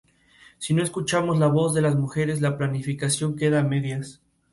Si no escuchamos la voz de las mujeres, la planificación queda a medias.